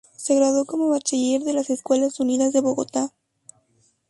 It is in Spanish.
Se graduó como bachiller de las Escuelas Unidas de Bogotá.